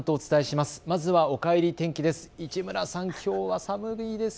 まずはおかえり天気です。